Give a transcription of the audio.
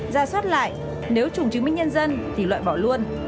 ra soát lại nếu chủng chứng minh nhân dân thì loại bỏ luôn